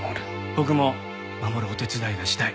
僕も守るお手伝いがしたい。